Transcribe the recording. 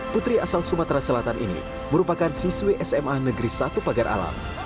putri asal sumatera selatan ini merupakan siswi sma negeri satu pagar alam